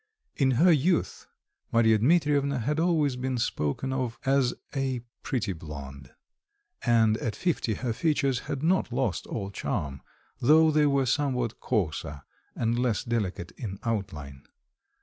In her youth Marya Dmitrievna had always been spoken of as a pretty blonde; and at fifty her features had not lost all charm, though they were somewhat coarser and less delicate in outline.